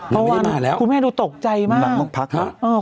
ไม่ได้มาแล้วคุณแม่ดูตกใจมากมันลงพักหรือเหรอ